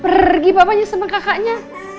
pergi papanya sama kakaknya